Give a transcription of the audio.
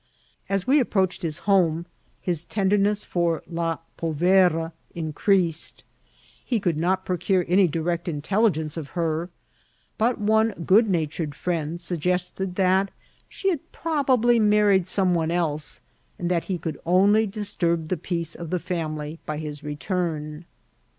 As we approached his home his tenderness for la poTera increased. He could not pro cure any direct intelligence of her ; but one good na tured friend suggested that she had probably married some one else, and that he would only disturb the peace ot the fomily by his return.